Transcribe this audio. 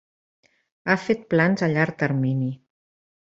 Ha fet plans a llarg termini.